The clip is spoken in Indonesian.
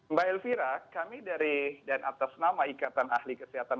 mbak elvira kami dari dan atas nama ikatan ahli kesehatan